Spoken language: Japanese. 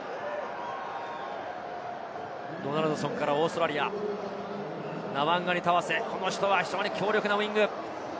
ドナルドソンからオーストラリア、ナワンガニタワセ、この人は非常に強力なウイング。